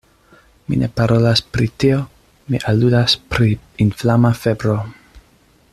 Mi ne parolas pri tio: mi aludas pri inflama febro.